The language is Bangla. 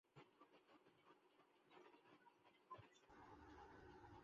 আমার ঠাকুরের ভোগ আমি একদিন দিব, ইহাতে বাধা দিয়ো না।